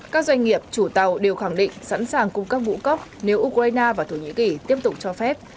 các doanh nghiệp chủ tàu đều khẳng định sẵn sàng cung cấp ngũ cốc nếu ukraine và thổ nhĩ kỳ tiếp tục cho phép